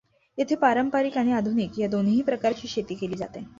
येथे पारंपारिक आणि आधुनिक या दोन्हीही प्रकारची शेती केली जाते.